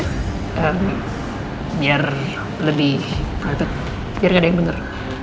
biar lebih private biar nggak ada yang bener